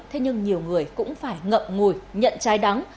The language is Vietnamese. thế nhưng nhiều người cũng phải ngậm ngùi nhận trái đắng